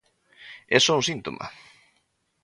É só un síntoma.